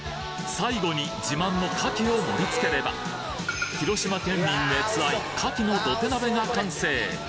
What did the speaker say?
最後に自慢の牡蠣を盛り付ければ広島県民熱愛牡蠣の土手鍋が完成！